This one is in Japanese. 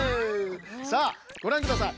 さあごらんください